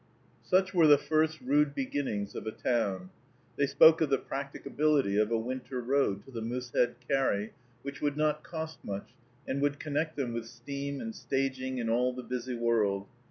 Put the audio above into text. Such were the first rude beginnings of a town. They spoke of the practicability of a winter road to the Moosehead Carry, which would not cost much, and would connect them with steam and staging and all the busy world.